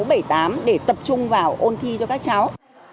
các thầy cô dạy khối sáu bảy tám để tập trung vào ôn thi cho các cháu